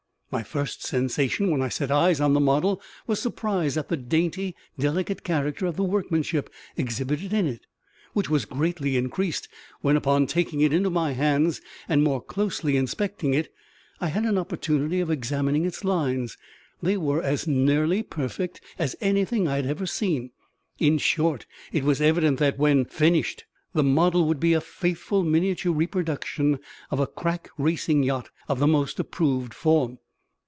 My first sensation, when I set eyes on the model, was surprise at the dainty, delicate character of the workmanship exhibited in it, which was greatly increased when, upon taking it into my hands and more closely inspecting it, I had an opportunity of examining its lines. They were as nearly perfect as anything I had ever seen; in short, it was evident that, when finished, the model would be a faithful miniature reproduction of a crack racing yacht of the most approved form.